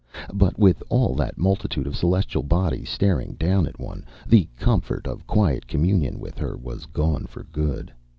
But, with all that multitude of celestial bodies staring down at one, the comfort of quiet communion with her was gone for good.